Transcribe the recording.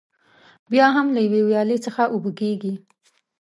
بیا هم له یوې ویالې څخه اوبه کېږي.